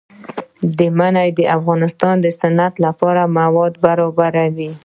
منی د افغانستان د صنعت لپاره مواد برابروي.